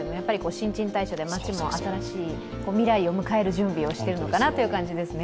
新陳代謝で街も新しい未来を迎える準備をしているのかなという感じですね。